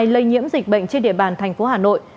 lây nhiễm dịch bệnh trên địa bàn tp hà nội